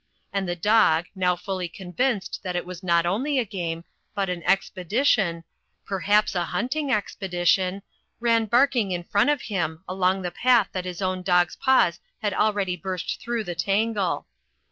And the dog, now fully convinced that it was not only a game but an expedition, perhaps a hunting expedition, ran bark *ng in front of him, along the path that his own dog's VEGETARIANISM IN THE FOREST 143 paws had already burst through the tangle.